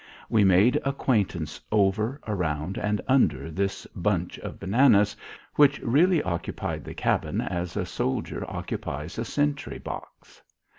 We made acquaintance over, around, and under this bunch of bananas, which really occupied the cabin as a soldier occupies a sentry box.